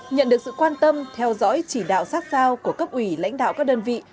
nhận được sự quan tâm theo dõi chỉ đạo sát sao của cấp ủy lãnh đạo các đơn vị